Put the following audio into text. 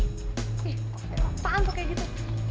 eh kok terlalu panas tuh kayak gitu